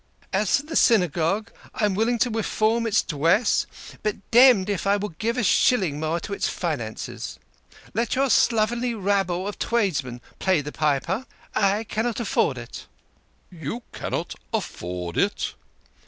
As for the Synagogue I am willing to reform its dress, but dem'd if I will give a shilling more to its finances. Let your slovenly rabble of tradesmen pay the piper I cannot afford it !"" You cannot afford it